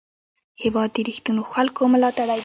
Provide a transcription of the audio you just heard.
هېواد د رښتینو خلکو ملاتړی دی.